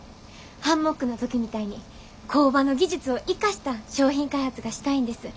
ハンモックの時みたいに工場の技術を生かした商品開発がしたいんです。